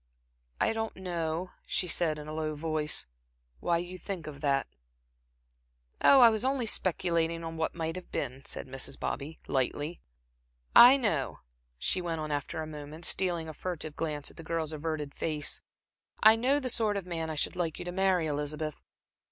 "I don't know," she said in a low voice, "why you think of that." "Oh, I was only speculating on what might have been," said Mrs. Bobby, lightly. "I know," she went on after a moment, stealing a furtive glance at the girl's averted face, "I know the sort of man I should like you to marry, Elizabeth.